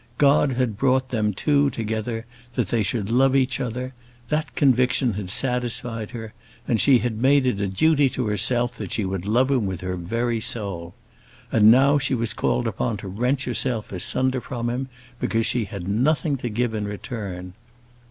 God had brought them two together that they should love each other; that conviction had satisfied her, and she had made it a duty to herself that she would love him with her very soul. And now she was called upon to wrench herself asunder from him because she had nothing to give in return!